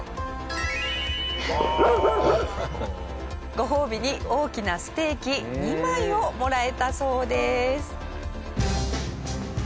ご褒美に大きなステーキ２枚をもらえたそうです。